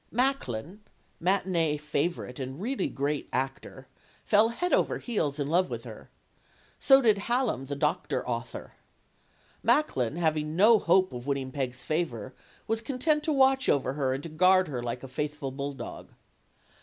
Macklin, matinee favorite and really great actor, fell heels over head in love with her. So did Hallam, the doctor author. Macklin, having no hope of win ning Peg's favor, was content to watch over her and to guard her like a faithful bulldog.